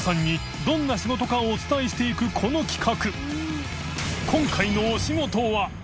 どんな仕事かをお伝えしていくこの企画禳